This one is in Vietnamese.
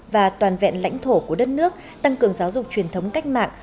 và toàn vẹn lãnh thổ của đất nước tăng cường giáo dục truyền thống cách mạng